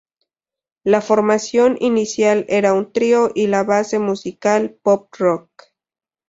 La formación inicial era un trío, y la base musical pop-rock.